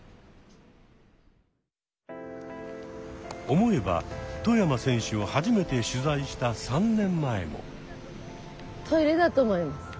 思えば外山選手を初めて取材した３年前も。